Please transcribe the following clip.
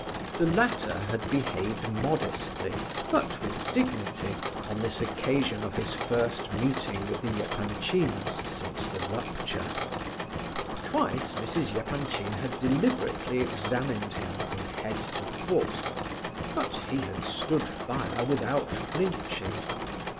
The latter had behaved modestly, but with dignity, on this occasion of his first meeting with the Epanchins since the rupture. Twice Mrs. Epanchin had deliberately examined him from head to foot; but he had stood fire without flinching.